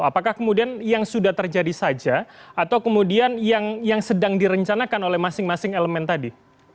apakah kemudian yang sudah terjadi saja atau kemudian yang sedang direncanakan oleh masing masing elemen tadi